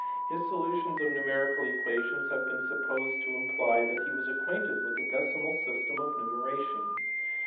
His solutions of numerical equations have been supposed to imply that he was acquainted with the decimal system of numeration.